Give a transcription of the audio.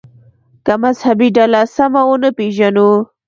که مذهبي ډله سمه ونه پېژنو.